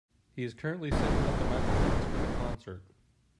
He is currently setting up the microphones for the concert.